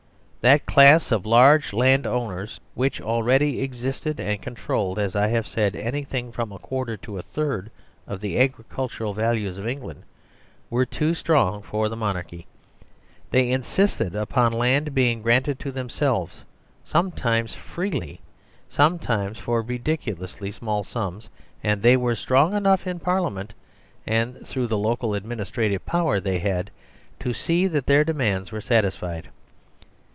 That class of large land owners which already existed and controlled, as I have said, anything from a quarter to a third of the agricultural values of England, were too strong for the monarchy. They insisted upon land being granted 63 THE SERVILE STATE to themselves, sometimes freely, sometimes for ridi culously small sums, and they were strong enough in Parliament, and through the local administrative power they had, to see that their demands were satis fied.